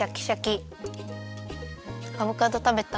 アボカドたべた？